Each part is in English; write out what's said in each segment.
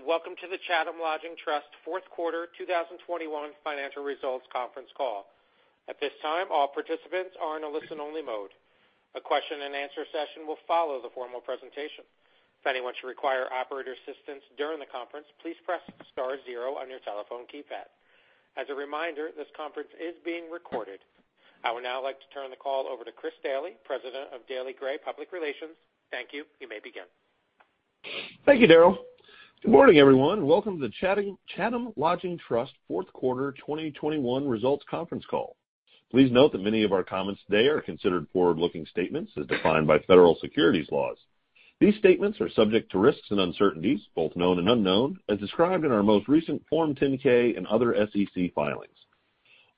Greetings and welcome to the Chatham Lodging Trust Fourth Quarter 2021 Financial Results Conference Call. At this time, all participants are in a listen-only mode. A question-and-answer session will follow the formal presentation. If anyone should require operator assistance during the conference, please press star zero on your telephone keypad. As a reminder, this conference is being recorded. I would now like to turn the call over to Chris Daly, President of Daly Gray Public Relations. Thank you. You may begin. Thank you, Daryl. Good morning, everyone. Welcome to the Chatham Lodging Trust Fourth Quarter 2021 Results Conference Call. Please note that many of our comments today are considered forward-looking statements as defined by federal securities laws. These statements are subject to risks and uncertainties, both known and unknown, as described in our most recent Form 10-K and other SEC filings.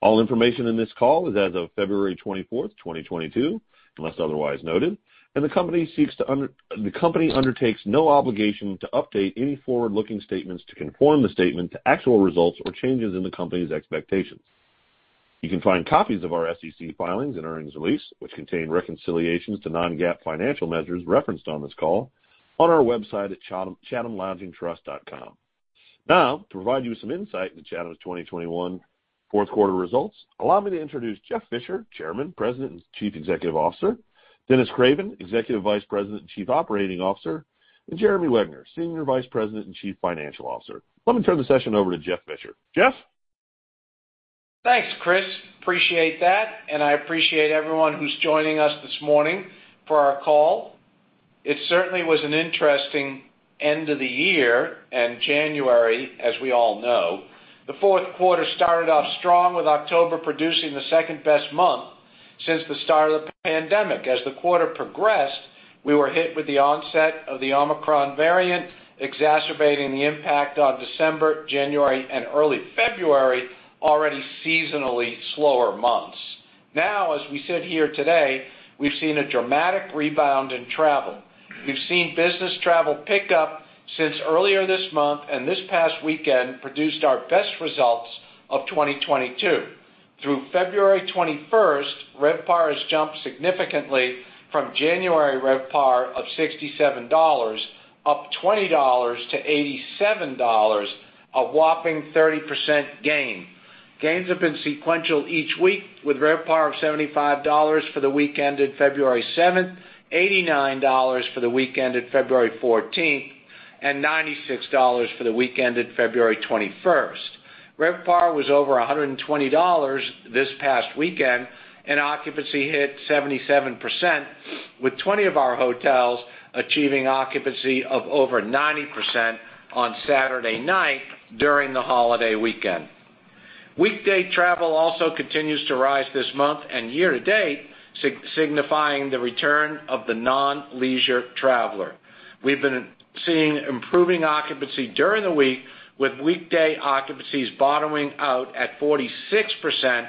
All information in this call is as of February 24, 2022, unless otherwise noted, and the company undertakes no obligation to update any forward-looking statements to conform the statement to actual results or changes in the company's expectations. You can find copies of our SEC filings and earnings release, which contain reconciliations to non-GAAP financial measures referenced on this call, on our website at chathamlodgingtrust.com. Now, to provide you with some insight into Chatham's 2021 fourth quarter results, allow me to introduce Jeff Fisher, Chairman, President and Chief Executive Officer, Dennis Craven, Executive Vice President and Chief Operating Officer, and Jeremy Wegner, Senior Vice President and Chief Financial Officer. Let me turn the session over to Jeff Fisher. Jeff? Thanks, Chris. Appreciate that. I appreciate everyone who's joining us this morning for our call. It certainly was an interesting end of the year and January, as we all know. The fourth quarter started off strong, with October producing the second-best month since the start of the pandemic. As the quarter progressed, we were hit with the onset of the Omicron variant, exacerbating the impact on December, January, and early February, already seasonally slower months. Now, as we sit here today, we've seen a dramatic rebound in travel. We've seen business travel pick up since earlier this month, and this past weekend produced our best results of 2022. Through February 21, RevPAR has jumped significantly from January RevPAR of $67 up $20-$87, a whopping 30% gain. Gains have been sequential each week, with RevPAR of $75 for the week ended February 7, $89 for the week ended February 14, and $96 for the week ended February 21. RevPAR was over $120 this past weekend, and occupancy hit 77%, with 20 of our hotels achieving occupancy of over 90% on Saturday night during the holiday weekend. Weekday travel also continues to rise this month and year to date, signifying the return of the non-leisure traveler. We've been seeing improving occupancy during the week, with weekday occupancies bottoming out at 46%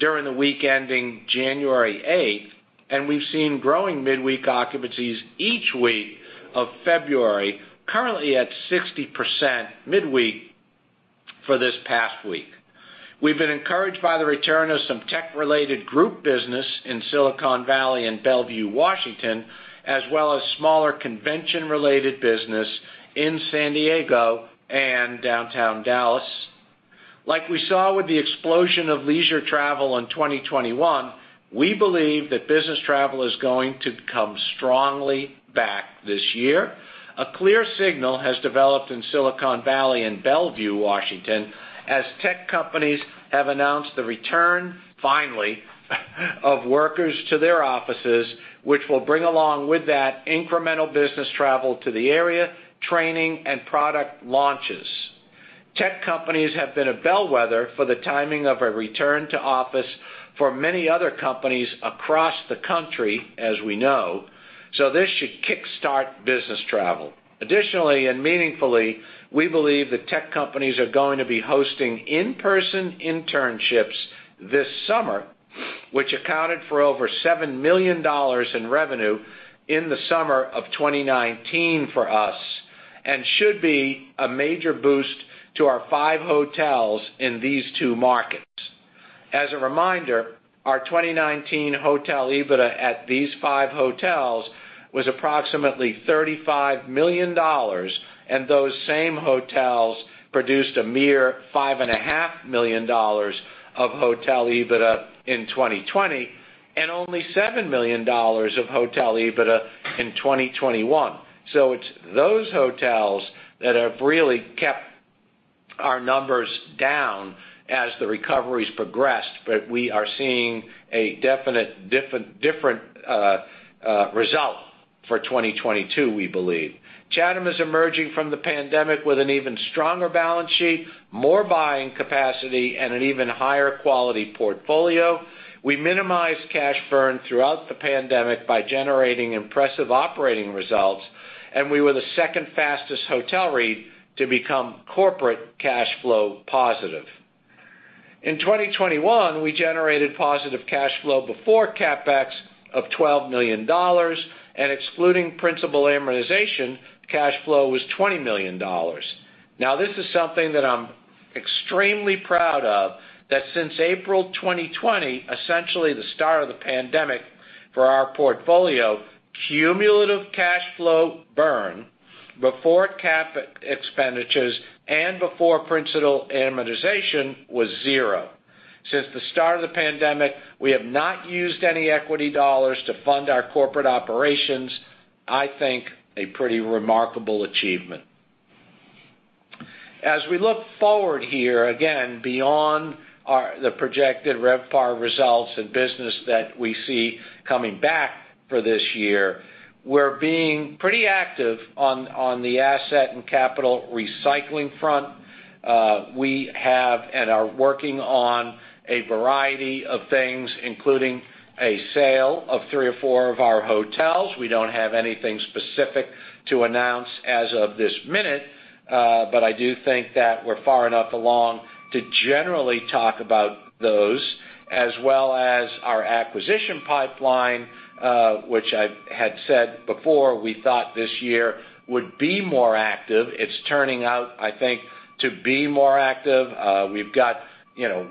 during the week ending January 8, and we've seen growing midweek occupancies each week of February, currently at 60% midweek for this past week. We've been encouraged by the return of some tech-related group business in Silicon Valley and Bellevue, Washington, as well as smaller convention-related business in San Diego and downtown Dallas. Like we saw with the explosion of leisure travel in 2021, we believe that business travel is going to come strongly back this year. A clear signal has developed in Silicon Valley and Bellevue, Washington, as tech companies have announced the return, finally, of workers to their offices, which will bring along with that incremental business travel to the area, training, and product launches. Tech companies have been a bellwether for the timing of a return to office for many other companies across the country, as we know, so this should kick-start business travel. Additionally, and meaningfully, we believe that tech companies are going to be hosting in-person internships this summer, which accounted for over $7 million in revenue in the summer of 2019 for us, and should be a major boost to our five hotels in these two markets. As a reminder, our 2019 hotel EBITDA at these five hotels was approximately $35 million, and those same hotels produced a mere $5.5 million of hotel EBITDA in 2020, and only $7 million of hotel EBITDA in 2021. It is those hotels that have really kept our numbers down as the recoveries progressed, but we are seeing a definite different result for 2022, we believe. Chatham is emerging from the pandemic with an even stronger balance sheet, more buying capacity, and an even higher quality portfolio. We minimized cash burn throughout the pandemic by generating impressive operating results, and we were the second fastest hotel REIT to become corporate cash flow positive. In 2021, we generated positive cash flow before CapEx of $12 million, and excluding principal amortization, cash flow was $20 million. Now, this is something that I'm extremely proud of, that since April 2020, essentially the start of the pandemic for our portfolio, cumulative cash flow burn before CapEx expenditures and before principal amortization was zero. Since the start of the pandemic, we have not used any equity dollars to fund our corporate operations, I think a pretty remarkable achievement. As we look forward here, again, beyond the projected RevPAR results and business that we see coming back for this year, we're being pretty active on the asset and capital recycling front. We have and are working on a variety of things, including a sale of three or four of our hotels. We don't have anything specific to announce as of this minute, but I do think that we're far enough along to generally talk about those, as well as our acquisition pipeline, which I had said before we thought this year would be more active. It's turning out, I think, to be more active. We've got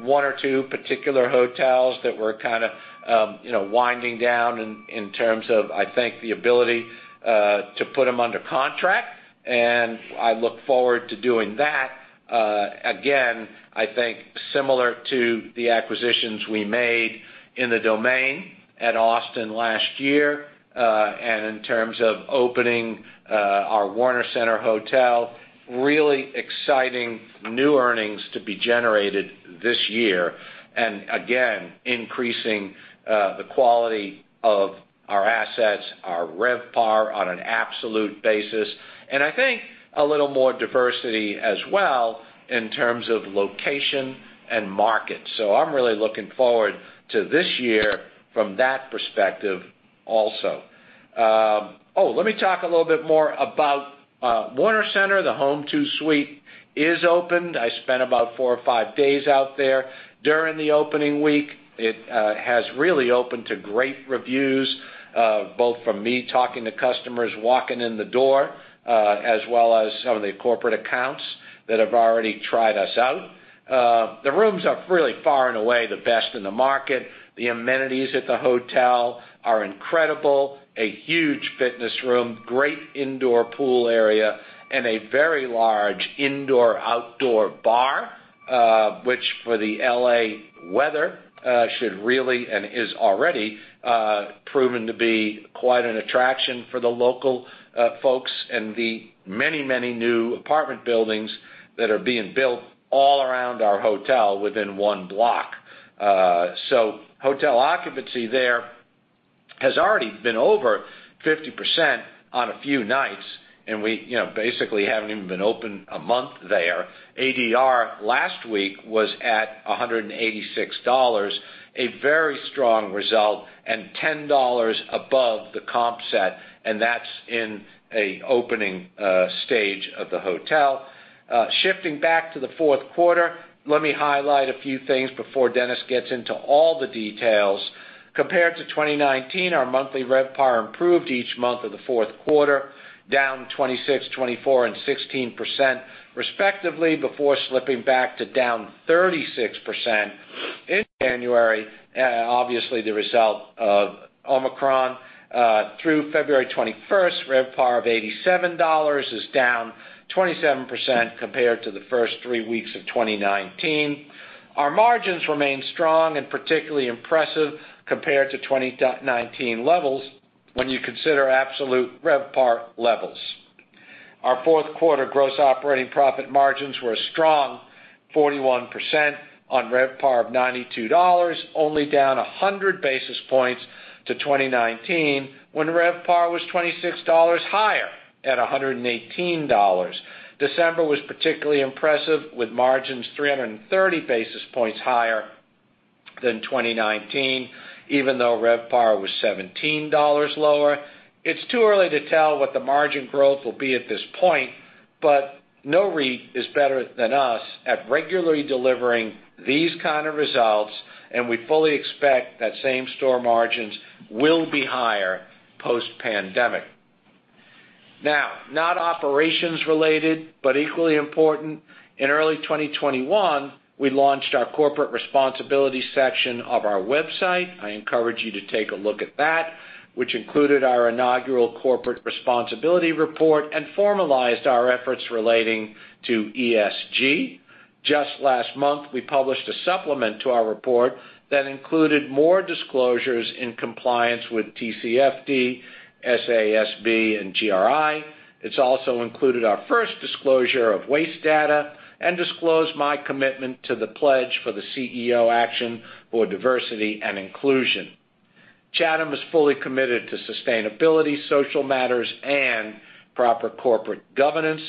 one or two particular hotels that we're kind of winding down in terms of, I think, the ability to put them under contract, and I look forward to doing that. Again, I think similar to the acquisitions we made in the Domain at Austin last year, and in terms of opening our Warner Center Hotel, really exciting new earnings to be generated this year, and again, increasing the quality of our assets, our RevPAR on an absolute basis, and I think a little more diversity as well in terms of location and market. I'm really looking forward to this year from that perspective also. Oh, let me talk a little bit more about Warner Center. The Home 2 Suites is open. I spent about four or five days out there during the opening week. It has really opened to great reviews, both from me talking to customers, walking in the door, as well as some of the corporate accounts that have already tried us out. The rooms are really far and away the best in the market. The amenities at the hotel are incredible: a huge fitness room, great indoor pool area, and a very large indoor-outdoor bar, which for the LA weather should really and is already proven to be quite an attraction for the local folks and the many, many new apartment buildings that are being built all around our hotel within one block. Hotel occupancy there has already been over 50% on a few nights, and we basically have not even been open a month there. ADR last week was at $186, a very strong result and $10 above the comp set, and that is in an opening stage of the hotel. Shifting back to the fourth quarter, let me highlight a few things before Dennis gets into all the details. Compared to 2019, our monthly RevPAR improved each month of the fourth quarter, down 26%, 24%, and 16% respectively, before slipping back to down 36% in January, obviously the result of Omicron. Through February 21, RevPAR of $87 is down 27% compared to the first three weeks of 2019. Our margins remain strong and particularly impressive compared to 2019 levels when you consider absolute RevPAR levels. Our fourth quarter gross operating profit margins were strong, 41% on RevPAR of $92, only down 100 basis points to 2019 when RevPAR was $26 higher at $118. December was particularly impressive with margins 330 basis points higher than 2019, even though RevPAR was $17 lower. It's too early to tell what the margin growth will be at this point, but no one is better than us at regularly delivering these kind of results, and we fully expect that same store margins will be higher post-pandemic. Now, not operations related, but equally important, in early 2021, we launched our corporate responsibility section of our website. I encourage you to take a look at that, which included our inaugural corporate responsibility report and formalized our efforts relating to ESG. Just last month, we published a supplement to our report that included more disclosures in compliance with TCFD, SASB, and GRI. It also included our first disclosure of waste data and disclosed my commitment to the pledge for the CEO action for diversity and inclusion. Chatham is fully committed to sustainability, social matters, and proper corporate governance.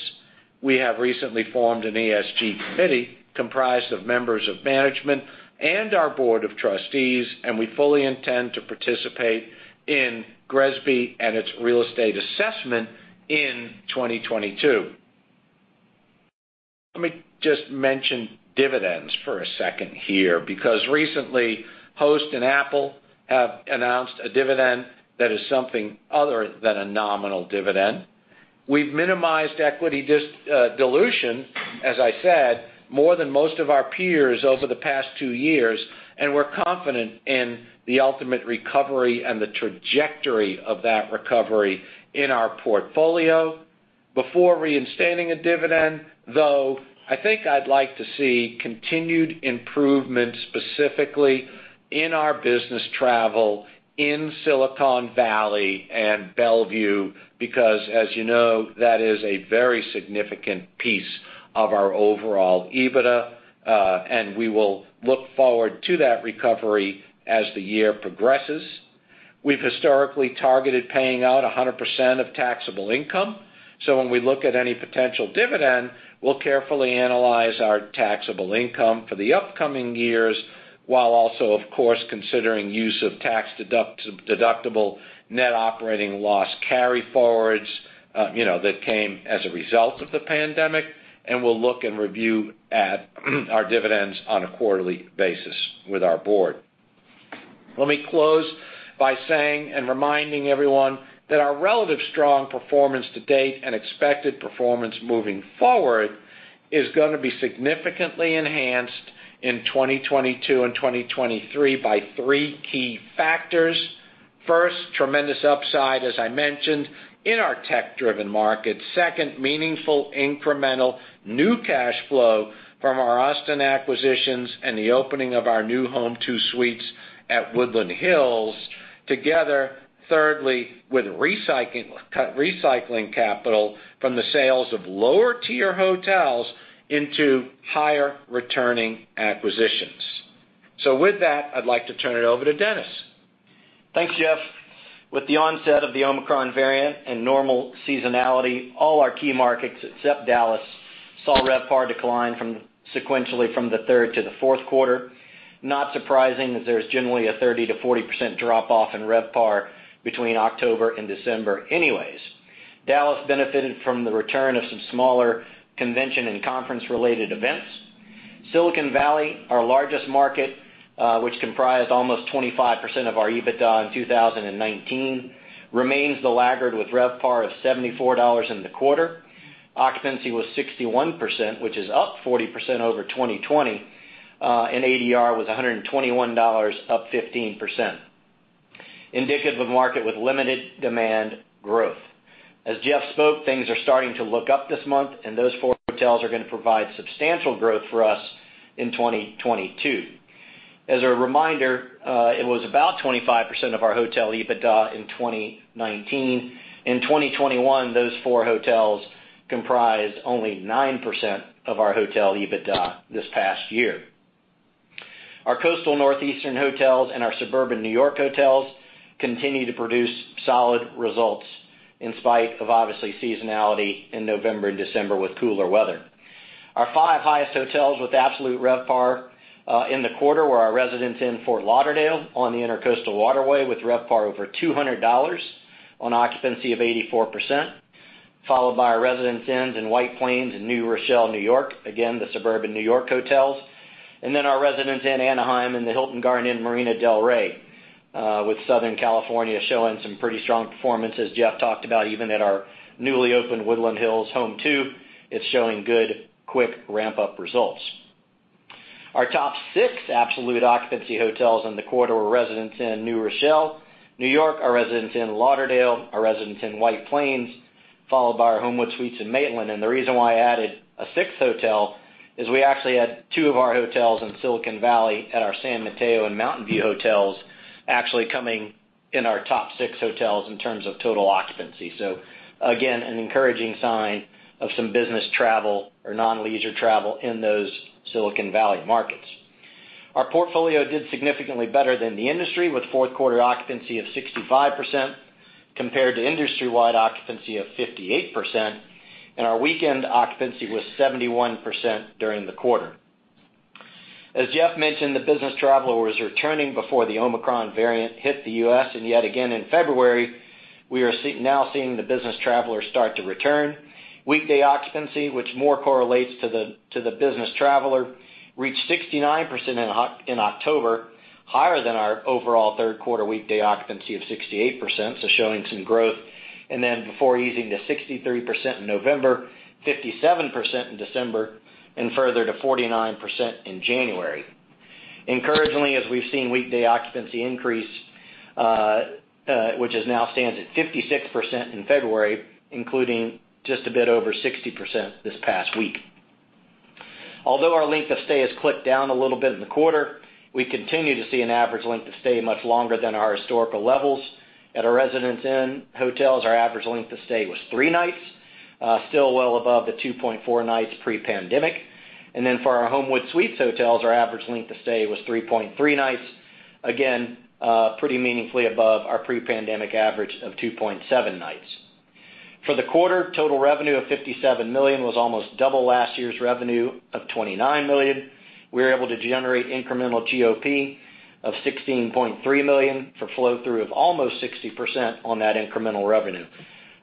We have recently formed an ESG committee comprised of members of management and our board of trustees, and we fully intend to participate in GRESB and its real estate assessment in 2022. Let me just mention dividends for a second here because recently, Host Hotels and Apple have announced a dividend that is something other than a nominal dividend. We have minimized equity dilution, as I said, more than most of our peers over the past two years, and we are confident in the ultimate recovery and the trajectory of that recovery in our portfolio. Before reinstating a dividend, though, I think I'd like to see continued improvement specifically in our business travel in Silicon Valley and Bellevue because, as you know, that is a very significant piece of our overall EBITDA, and we will look forward to that recovery as the year progresses. We've historically targeted paying out 100% of taxable income, so when we look at any potential dividend, we'll carefully analyze our taxable income for the upcoming years while also, of course, considering use of tax-deductible net operating loss carry forwards that came as a result of the pandemic, and we'll look and review our dividends on a quarterly basis with our board. Let me close by saying and reminding everyone that our relative strong performance to date and expected performance moving forward is going to be significantly enhanced in 2022 and 2023 by three key factors. First, tremendous upside, as I mentioned, in our tech-driven market. Second, meaningful incremental new cash flow from our Austin acquisitions and the opening of our new Home 2 Suites at Woodland Hills. Together, thirdly, with recycling capital from the sales of lower-tier hotels into higher returning acquisitions. With that, I'd like to turn it over to Dennis. Thanks, Jeff. With the onset of the Omicron variant and normal seasonality, all our key markets except Dallas saw RevPAR decline sequentially from the third to the fourth quarter. Not surprising that there's generally a 30%-40% drop off in RevPAR between October and December anyways. Dallas benefited from the return of some smaller convention and conference-related events. Silicon Valley, our largest market, which comprised almost 25% of our EBITDA in 2019, remains the laggard with RevPAR of $74 in the quarter. Occupancy was 61%, which is up 40% over 2020, and ADR was $121, up 15%, indicative of a market with limited demand growth. As Jeff spoke, things are starting to look up this month, and those four hotels are going to provide substantial growth for us in 2022. As a reminder, it was about 25% of our hotel EBITDA in 2019. In 2021, those four hotels comprised only 9% of our hotel EBITDA this past year. Our coastal northeastern hotels and our suburban New York hotels continue to produce solid results in spite of, obviously, seasonality in November and December with cooler weather. Our five highest hotels with absolute RevPAR in the quarter were our Residence Inn Fort Lauderdale on the Intercoastal Waterway with RevPAR over $200 on occupancy of 84%, followed by our Residence Inn White Plains and New Rochelle, New York, again, the suburban New York hotels, and then our Residence Inn Anaheim and the Hilton Garden Inn Marina del Rey with Southern California showing some pretty strong performance, as Jeff talked about, even at our newly opened Woodland Hills Home 2. It's showing good, quick ramp-up results. Our top six absolute occupancy hotels in the quarter were Residence Inn New Rochelle, New York, our Residence Inn Lauderdale, our Residence Inn White Plains, followed by our Homewood Suites in Maitland. The reason why I added a sixth hotel is we actually had two of our hotels in Silicon Valley at our San Mateo and Mountain View hotels actually coming in our top six hotels in terms of total occupancy. Again, an encouraging sign of some business travel or non-leisure travel in those Silicon Valley markets. Our portfolio did significantly better than the industry with fourth quarter occupancy of 65% compared to industry-wide occupancy of 58%, and our weekend occupancy was 71% during the quarter. As Jeff mentioned, the business traveler was returning before the Omicron variant hit the U.S., and yet again in February, we are now seeing the business traveler start to return. Weekday occupancy, which more correlates to the business traveler, reached 69% in October, higher than our overall third quarter weekday occupancy of 68%, showing some growth. Before easing to 63% in November, 57% in December, and further to 49% in January. Encouragingly, as we've seen weekday occupancy increase, which now stands at 56% in February, including just a bit over 60% this past week. Although our length of stay has clicked down a little bit in the quarter, we continue to see an average length of stay much longer than our historical levels. At our Residence Inn hotels, our average length of stay was three nights, still well above the 2.4 nights pre-pandemic. For our Homewood Suites hotels, our average length of stay was 3.3 nights, again, pretty meaningfully above our pre-pandemic average of 2.7 nights. For the quarter, total revenue of $57 million was almost double last year's revenue of $29 million. We were able to generate incremental GOP of $16.3 million for flow-through of almost 60% on that incremental revenue.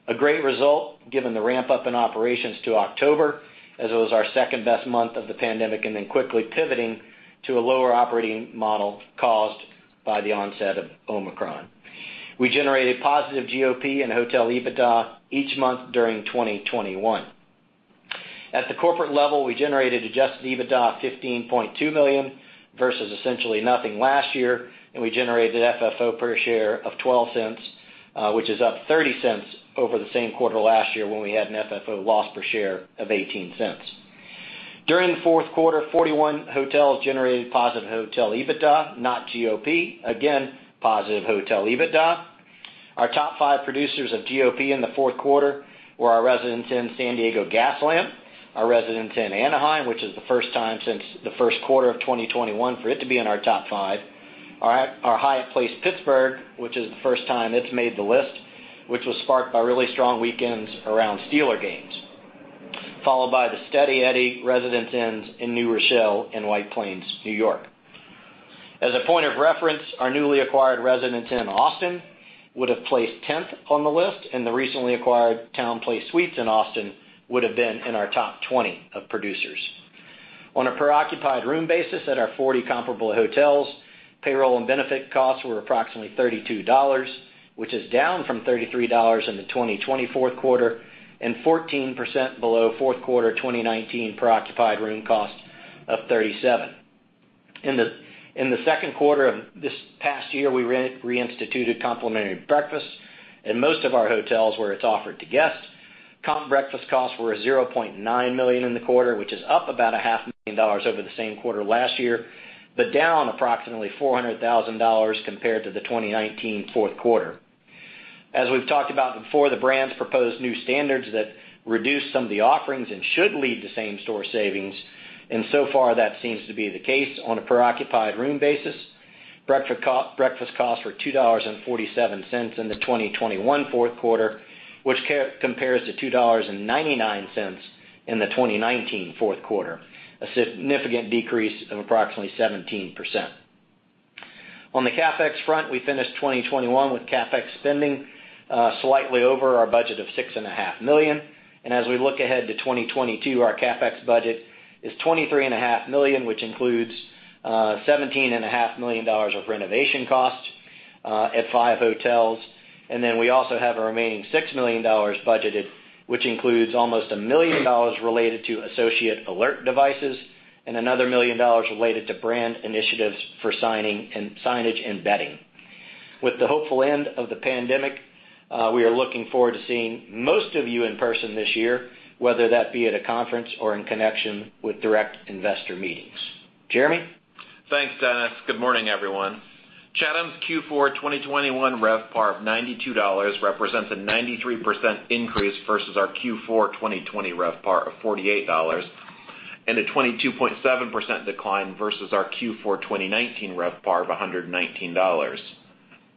A great result given the ramp-up in operations to October, as it was our second-best month of the pandemic and then quickly pivoting to a lower operating model caused by the onset of Omicron. We generated positive GOP and hotel EBITDA each month during 2021. At the corporate level, we generated adjusted EBITDA of $15.2 million versus essentially nothing last year, and we generated FFO per share of $0.12, which is up $0.30 over the same quarter last year when we had an FFO loss per share of $0.18. During the fourth quarter, 41 hotels generated positive hotel EBITDA, not GOP. Again, positive hotel EBITDA. Our top five producers of GOP in the fourth quarter were our Residence Inn San Diego Gaslamp, our Residence Inn Anaheim, which is the first time since the first quarter of 2021 for it to be in our top five, our highest place Pittsburgh, which is the first time it's made the list, which was sparked by really strong weekends around Steeler games, followed by the steady Eddy Residence Inn New Rochelle and White Plains, New York. As a point of reference, our newly acquired Residence Inn Austin would have placed 10th on the list, and the recently acquired TownePlace Suites Austin would have been in our top 20 of producers. On a per-occupied room basis at our 40 comparable hotels, payroll and benefit costs were approximately $32, which is down from $33 in the 2020 fourth quarter and 14% below fourth quarter 2019 per-occupied room cost of $37. In the second quarter of this past year, we reinstituted complimentary breakfast, and most of our hotels where it's offered to guests. Comp breakfast costs were $900,000 in the quarter, which is up about $500,000 over the same quarter last year, but down approximately $400,000 compared to the 2019 fourth quarter. As we've talked about before, the brands proposed new standards that reduce some of the offerings and should lead to same-store savings, and so far that seems to be the case on a per-occupied room basis. Breakfast costs were $2.47 in the 2021 fourth quarter, which compares to $2.99 in the 2019 fourth quarter, a significant decrease of approximately 17%. On the CapEx front, we finished 2021 with CapEx spending slightly over our budget of $6.5 million. As we look ahead to 2022, our CapEx budget is $23.5 million, which includes $17.5 million of renovation costs at five hotels. We also have a remaining $6 million budgeted, which includes almost $1 million related to associate alert devices and another $1 million related to brand initiatives for signage and bedding. With the hopeful end of the pandemic, we are looking forward to seeing most of you in person this year, whether that be at a conference or in connection with direct investor meetings. Jeremy? Thanks, Dennis. Good morning, everyone. Chatham's Q4 2021 RevPAR of $92 represents a 93% increase versus our Q4 2020 RevPAR of $48 and a 22.7% decline versus our Q4 2019 RevPAR of $119.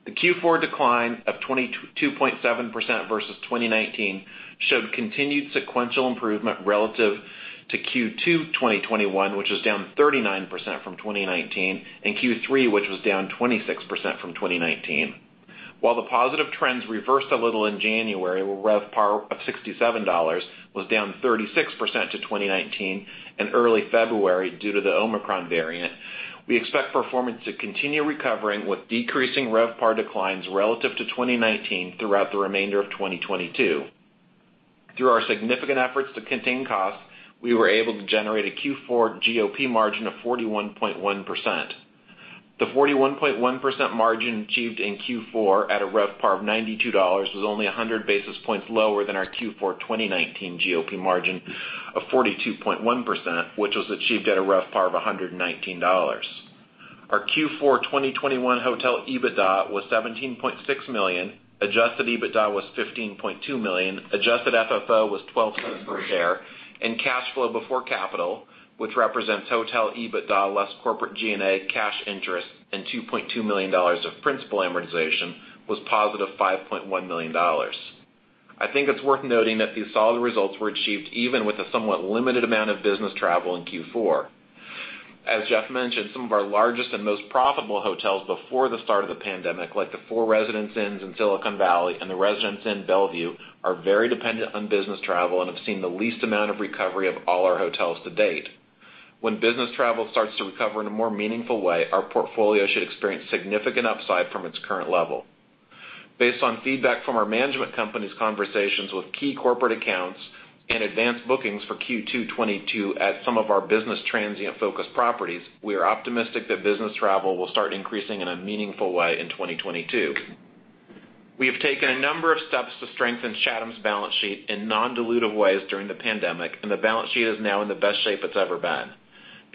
The Q4 decline of 22.7% versus 2019 showed continued sequential improvement relative to Q2 2021, which was down 39% from 2019, and Q3, which was down 26% from 2019. While the positive trends reversed a little in January, where RevPAR of $67 was down 36% to 2019 and early February due to the Omicron variant, we expect performance to continue recovering with decreasing RevPAR declines relative to 2019 throughout the remainder of 2022. Through our significant efforts to contain costs, we were able to generate a Q4 GOP margin of 41.1%. The 41.1% margin achieved in Q4 at a RevPAR of $92 was only 100 basis points lower than our Q4 2019 GOP margin of 42.1%, which was achieved at a RevPAR of $119. Our Q4 2021 hotel EBITDA was $17.6 million, adjusted EBITDA was $15.2 million, adjusted FFO was $0.12 per share, and cash flow before capital, which represents hotel EBITDA less corporate G&A, cash interest, and $2.2 million of principal amortization, was positive $5.1 million. I think it's worth noting that these solid results were achieved even with a somewhat limited amount of business travel in Q4. As Jeff mentioned, some of our largest and most profitable hotels before the start of the pandemic, like the four Residence Inn in Silicon Valley and the Residence Inn Bellevue, are very dependent on business travel and have seen the least amount of recovery of all our hotels to date. When business travel starts to recover in a more meaningful way, our portfolio should experience significant upside from its current level. Based on feedback from our management company's conversations with key corporate accounts and advanced bookings for Q2 2022 at some of our business transient-focused properties, we are optimistic that business travel will start increasing in a meaningful way in 2022. We have taken a number of steps to strengthen Chatham's balance sheet in non-dilutive ways during the pandemic, and the balance sheet is now in the best shape it's ever been.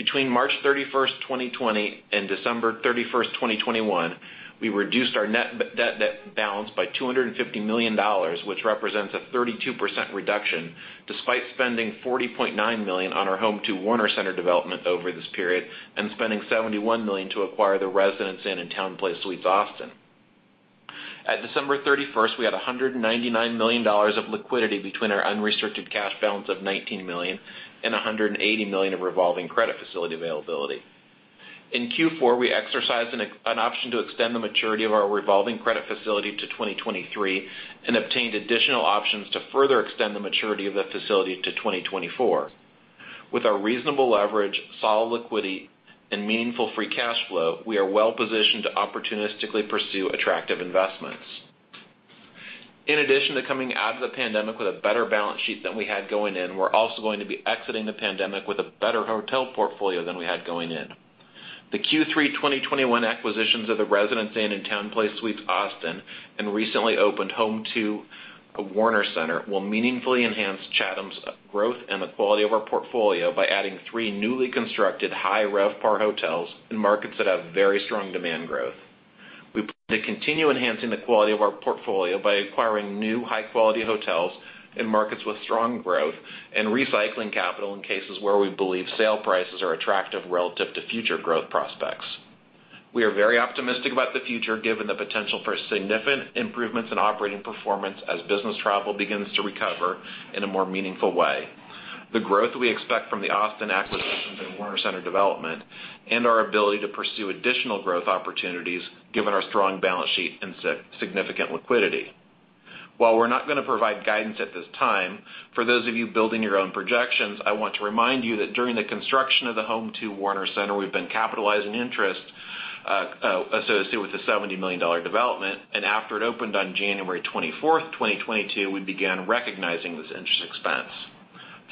Between March 31, 2020, and December 31, 2021, we reduced our net debt balance by $250 million, which represents a 32% reduction despite spending $40.9 million on our Home 2 Suites Warner Center development over this period and spending $71 million to acquire the Residence Inn and TownePlace Suites Austin. At December 31, we had $199 million of liquidity between our unrestricted cash balance of $19 million and $180 million of revolving credit facility availability. In Q4, we exercised an option to extend the maturity of our revolving credit facility to 2023 and obtained additional options to further extend the maturity of the facility to 2024. With our reasonable leverage, solid liquidity, and meaningful free cash flow, we are well-positioned to opportunistically pursue attractive investments. In addition to coming out of the pandemic with a better balance sheet than we had going in, we're also going to be exiting the pandemic with a better hotel portfolio than we had going in. The Q3 2021 acquisitions of the Residence Inn and TownePlace Suites Austin and recently opened Home 2 Warner Center will meaningfully enhance Chatham's growth and the quality of our portfolio by adding three newly constructed high RevPAR hotels in markets that have very strong demand growth. We plan to continue enhancing the quality of our portfolio by acquiring new high-quality hotels in markets with strong growth and recycling capital in cases where we believe sale prices are attractive relative to future growth prospects. We are very optimistic about the future given the potential for significant improvements in operating performance as business travel begins to recover in a more meaningful way. The growth we expect from the Austin acquisitions and Warner Center development and our ability to pursue additional growth opportunities given our strong balance sheet and significant liquidity. While we're not going to provide guidance at this time, for those of you building your own projections, I want to remind you that during the construction of the Home 2 Warner Center, we've been capitalizing interest associated with the $70 million development, and after it opened on January 24, 2022, we began recognizing this interest expense.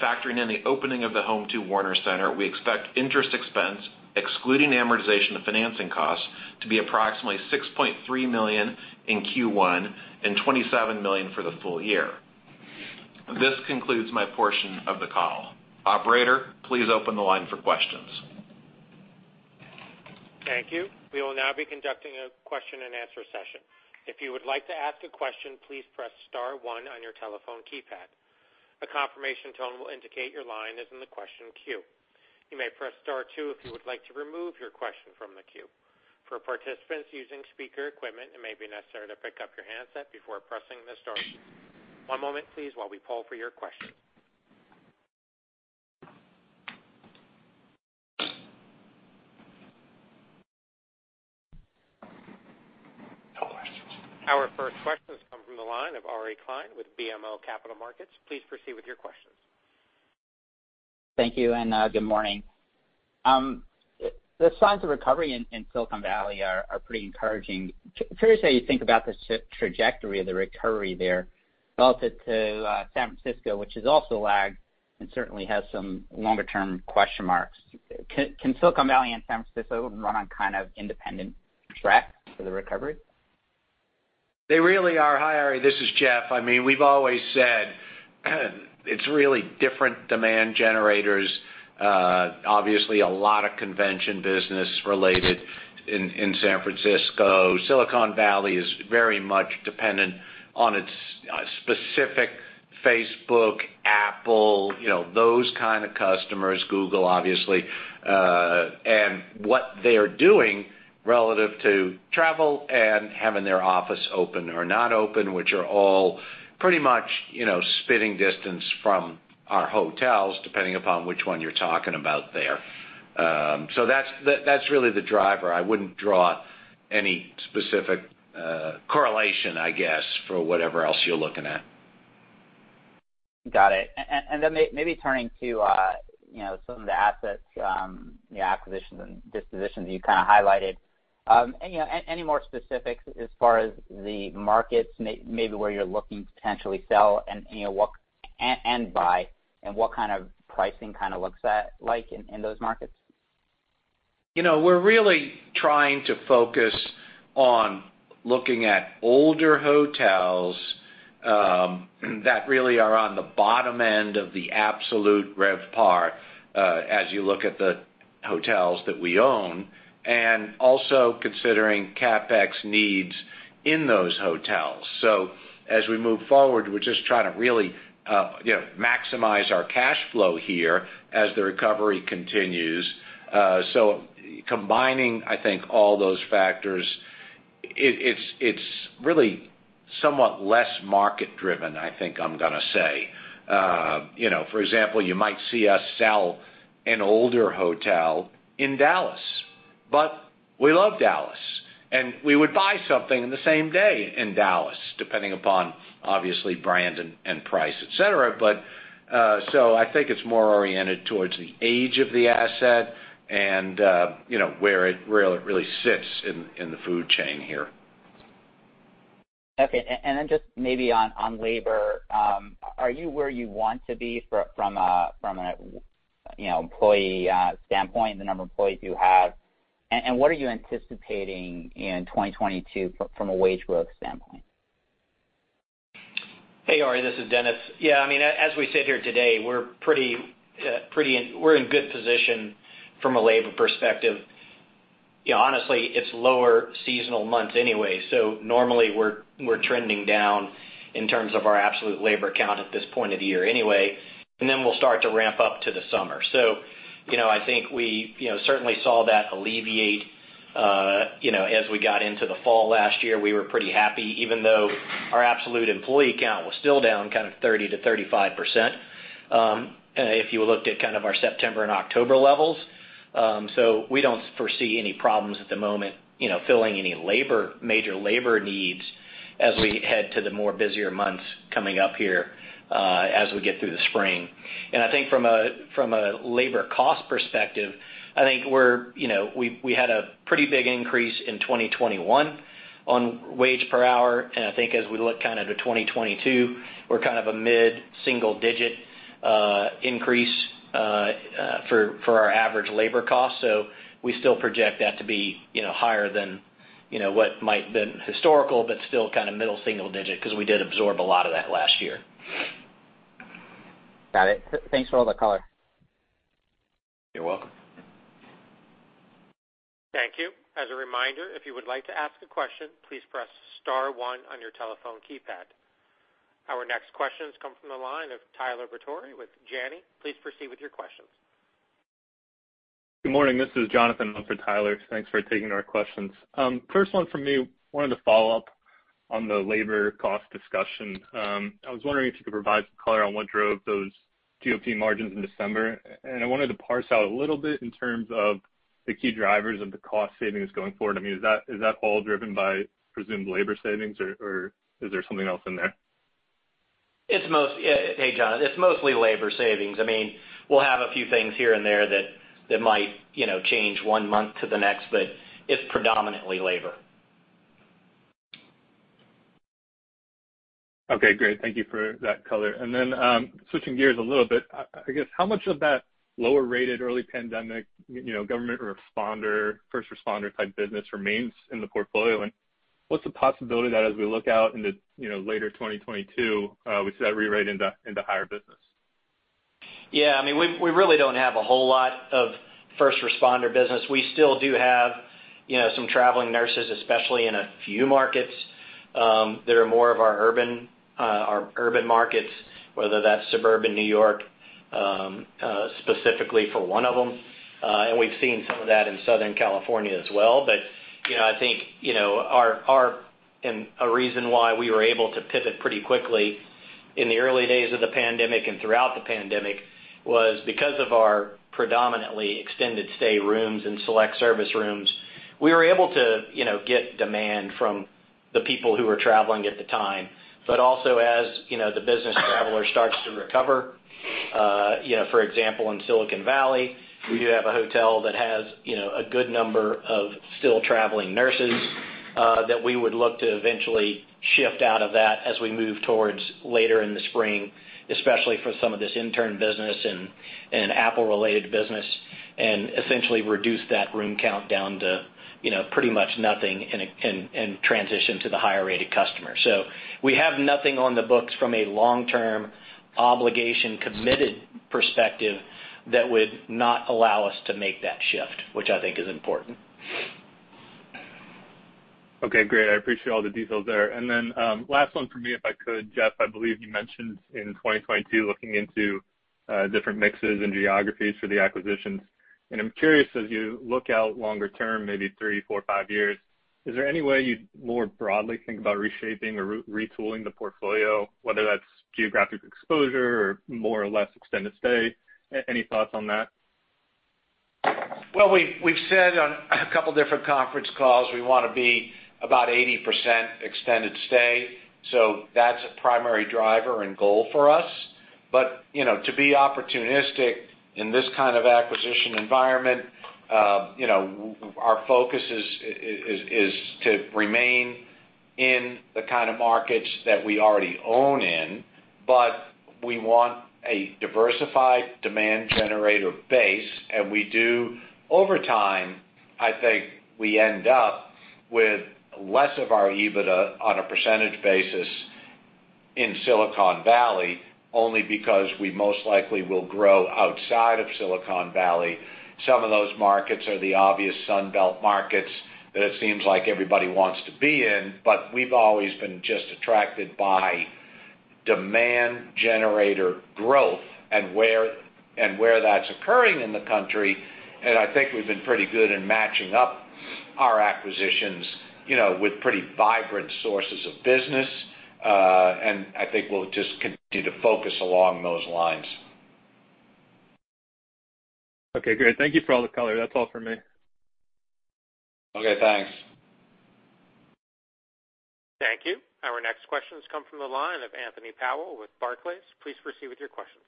Factoring in the opening of the Home 2 Warner Center, we expect interest expense, excluding amortization of financing costs, to be approximately $6.3 million in Q1 and $27 million for the full year. This concludes my portion of the call. Operator, please open the line for questions. Thank you. We will now be conducting a question-and-answer session. If you would like to ask a question, please press Star 1 on your telephone keypad. A confirmation tone will indicate your line is in the question queue. You may press Star 2 if you would like to remove your question from the queue. For participants using speaker equipment, it may be necessary to pick up your handset before pressing the Star 2. One moment, please, while we pull for your questions. No questions. Our first questions come from the line of Ari Klein with BMO Capital Markets. Please proceed with your questions. Thank you and good morning. The signs of recovery in Silicon Valley are pretty encouraging. Curious how you think about the trajectory of the recovery there relative to San Francisco, which is also lagged and certainly has some longer-term question marks. Can Silicon Valley and San Francisco run on kind of independent track for the recovery? They really are. Hi, Ari. This is Jeff. I mean, we've always said it's really different demand generators. Obviously, a lot of convention business related in San Francisco. Silicon Valley is very much dependent on its specific Facebook, Apple, those kind of customers, Google, obviously. What they are doing relative to travel and having their office open or not open, which are all pretty much spitting distance from our hotels, depending upon which one you are talking about there. That is really the driver. I would not draw any specific correlation, I guess, for whatever else you are looking at. Got it. Maybe turning to some of the assets, the acquisitions and dispositions you kind of highlighted. Any more specifics as far as the markets, maybe where you are looking to potentially sell and what and buy and what kind of pricing kind of looks like in those markets? We're really trying to focus on looking at older hotels that really are on the bottom end of the absolute RevPAR as you look at the hotels that we own and also considering CapEx needs in those hotels. As we move forward, we're just trying to really maximize our cash flow here as the recovery continues. Combining, I think, all those factors, it's really somewhat less market-driven, I think I'm going to say. For example, you might see us sell an older hotel in Dallas, but we love Dallas. We would buy something in the same day in Dallas, depending upon, obviously, brand and price, etc. I think it's more oriented towards the age of the asset and where it really sits in the food chain here. Okay. Just maybe on labor, are you where you want to be from an employee standpoint, the number of employees you have? What are you anticipating in 2022 from a wage growth standpoint? Hey, Ari, this is Dennis. Yeah. I mean, as we sit here today, we're in good position from a labor perspective. Honestly, it's lower seasonal months anyway. Normally, we're trending down in terms of our absolute labor count at this point of the year anyway, and then we'll start to ramp up to the summer. I think we certainly saw that alleviate as we got into the fall last year. We were pretty happy, even though our absolute employee count was still down kind of 30-35% if you looked at kind of our September and October levels. We do not foresee any problems at the moment filling any major labor needs as we head to the more busier months coming up here as we get through the spring. I think from a labor cost perspective, we had a pretty big increase in 2021 on wage per hour. I think as we look kind of to 2022, we are kind of a mid-single-digit increase for our average labor cost. We still project that to be higher than what might have been historical, but still kind of middle single digit because we did absorb a lot of that last year. Got it. Thanks for the call. You're welcome. Thank you. As a reminder, if you would like to ask a question, please press Star 1 on your telephone keypad. Our next questions come from the line of Tyler Bertowse with Janney. Please proceed with your questions. Good morning. This is Jonathan for Tyler. Thanks for taking our questions. First one from me, wanted to follow up on the labor cost discussion. I was wondering if you could provide some color on what drove those GOP margins in December. I wanted to parse out a little bit in terms of the key drivers of the cost savings going forward. I mean, is that all driven by presumed labor savings, or is there something else in there? Hey, Jonathan, it's mostly labor savings. I mean, we'll have a few things here and there that might change one month to the next, but it's predominantly labor. Okay. Great. Thank you for that color. Switching gears a little bit, I guess, how much of that lower-rated early pandemic government responder, first responder type business remains in the portfolio? What's the possibility that as we look out into later 2022, we see that rewrite into higher business? Yeah. I mean, we really do not have a whole lot of first responder business. We still do have some traveling nurses, especially in a few markets. There are more of our urban markets, whether that's suburban New York, specifically for one of them. We have seen some of that in Southern California as well. I think our reason why we were able to pivot pretty quickly in the early days of the pandemic and throughout the pandemic was because of our predominantly extended stay rooms and select service rooms. We were able to get demand from the people who were traveling at the time. Also, as the business traveler starts to recover, for example, in Silicon Valley, we do have a hotel that has a good number of still traveling nurses that we would look to eventually shift out of that as we move towards later in the spring, especially for some of this intern business and Apple-related business, and essentially reduce that room count down to pretty much nothing and transition to the higher-rated customer. We have nothing on the books from a long-term obligation-committed perspective that would not allow us to make that shift, which I think is important. Okay. Great. I appreciate all the details there. Last one for me, if I could, Jeff, I believe you mentioned in 2022 looking into different mixes and geographies for the acquisitions. I'm curious, as you look out longer term, maybe three, four, five years, is there any way you more broadly think about reshaping or retooling the portfolio, whether that's geographic exposure or more or less extended stay? Any thoughts on that? We have said on a couple of different conference calls we want to be about 80% extended stay. That is a primary driver and goal for us. To be opportunistic in this kind of acquisition environment, our focus is to remain in the kind of markets that we already own in, but we want a diversified demand generator base. We do, over time, I think we end up with less of our EBITDA on a percentage basis in Silicon Valley only because we most likely will grow outside of Silicon Valley. Some of those markets are the obvious Sunbelt markets that it seems like everybody wants to be in, but we've always been just attracted by demand generator growth and where that's occurring in the country. I think we've been pretty good in matching up our acquisitions with pretty vibrant sources of business. I think we'll just continue to focus along those lines. Okay. Great. Thank you for all the call. That's all for me. Okay. Thanks. Thank you. Our next questions come from the line of Anthony Powell with Barclays. Please proceed with your questions.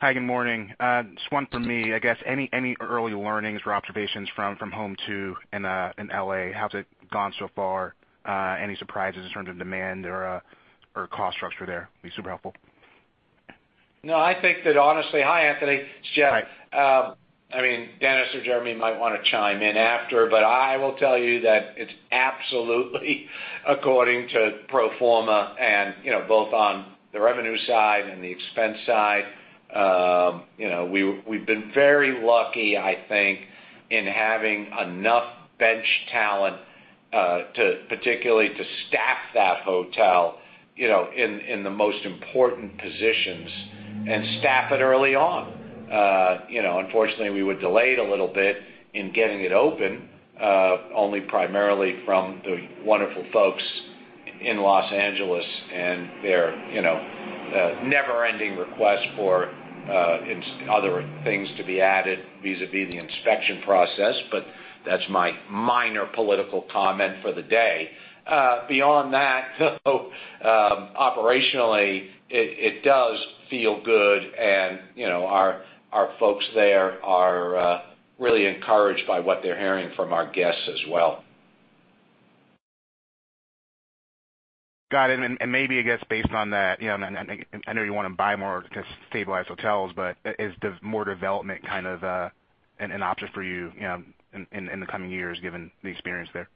Hi, good morning. Just one for me, I guess, any early learnings or observations from Home 2 in LA? How's it gone so far? Any surprises in terms of demand or cost structure there? It'd be super helpful. No, I think that honestly—hi, Anthony. It's Jeff. I mean, Dennis or Jeremy might want to chime in after, but I will tell you that it's absolutely according to pro forma, and both on the revenue side and the expense side. We've been very lucky, I think, in having enough bench talent, particularly to staff that hotel in the most important positions and staff it early on. Unfortunately, we were delayed a little bit in getting it open, only primarily from the wonderful folks in Los Angeles and their never-ending request for other things to be added vis-à-vis the inspection process. That is my minor political comment for the day. Beyond that, operationally, it does feel good. Our folks there are really encouraged by what they're hearing from our guests as well. Got it. Maybe, I guess, based on that, I know you want to buy more to stabilize hotels, but is the more development kind of an option for you in the coming years, given the experience there?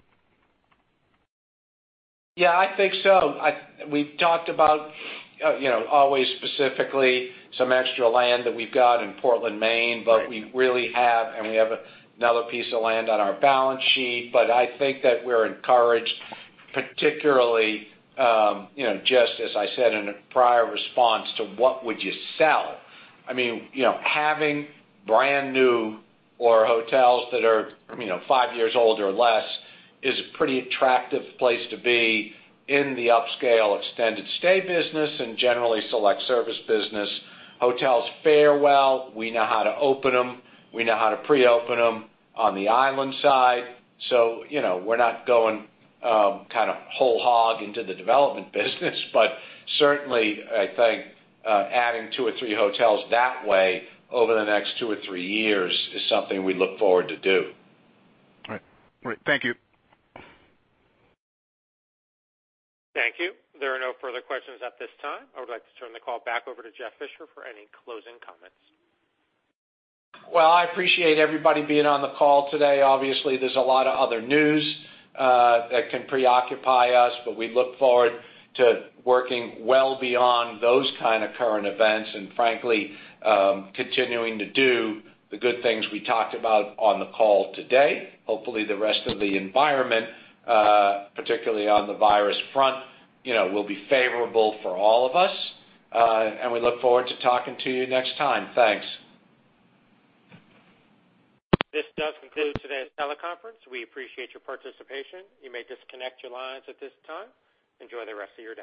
Yeah, I think so. We've talked about always specifically some extra land that we've got in Portland, Maine, but we really have—and we have another piece of land on our balance sheet. I think that we're encouraged, particularly just, as I said in a prior response, to what would you sell. I mean, having brand new or hotels that are five years old or less is a pretty attractive place to be in the upscale extended stay business and generally select service business. Hotels fare well. We know how to open them. We know how to pre-open them on the island side. We're not going kind of whole hog into the development business. But certainly, I think adding two or three hotels that way over the next two or three years is something we look forward to do. All right. Great. Thank you. Thank you. There are no further questions at this time. I would like to turn the call back over to Jeff Fisher for any closing comments. I appreciate everybody being on the call today. Obviously, there's a lot of other news that can preoccupy us, but we look forward to working well beyond those kind of current events and, frankly, continuing to do the good things we talked about on the call today. Hopefully, the rest of the environment, particularly on the virus front, will be favorable for all of us. We look forward to talking to you next time. Thanks. This does conclude today's teleconference. We appreciate your participation. You may disconnect your lines at this time. Enjoy the rest of your day.